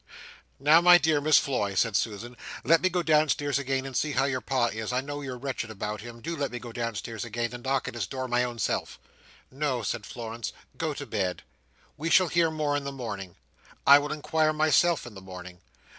"Now my dear Miss Floy," said Susan, "let me go downstairs again and see how your Pa is, I know you're wretched about him, do let me go downstairs again and knock at his door my own self." "No," said Florence, "go to bed. We shall hear more in the morning. I will inquire myself in the morning.